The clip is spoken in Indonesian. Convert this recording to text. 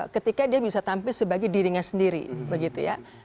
ketika dia bisa tampil sebagai dirinya sendiri begitu ya